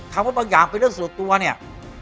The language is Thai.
ถ้าว่าบางอย่างเป็นเรื่องสัตว์ตัวเนี่ย